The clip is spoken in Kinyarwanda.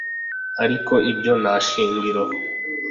ariko ibyo nta shingiro